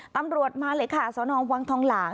ตำรวจมาเลยค่ะสนวังทองหลาง